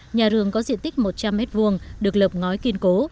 nhà rường có diện tích một trăm linh m hai được lập ngói kiên cố